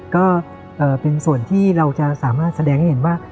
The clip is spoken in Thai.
ก็เป็นส่วนที่เราจะสามารถแสดงให้เห็นว่า